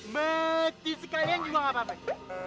beti sekalian juga gak apa apa